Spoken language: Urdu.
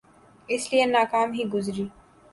اس لئے ناکام ہی گزری۔